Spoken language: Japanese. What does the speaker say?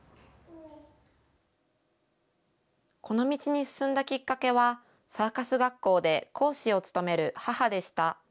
この道に進んだきっかけは、サーカス学校で講師を務める母でした。